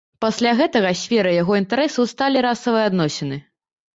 Пасля гэтага сферай яго інтарэсаў сталі расавыя адносіны.